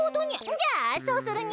じゃあそうするにゃ。